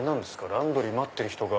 ランドリー待ってる人が。